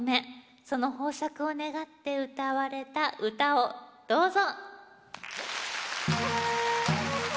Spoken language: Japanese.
その豊作を願ってうたわれた唄をどうぞ。